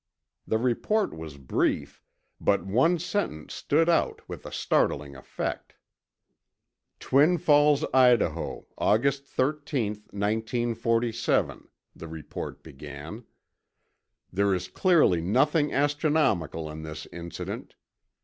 The report was brief, but one sentence stood out with a startling effect: "Twin Falls, Idaho, August 13, 1847," the report began. "There is clearly nothing astronomical in this incident.